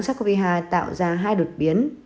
sars cov hai tạo ra hai đột biến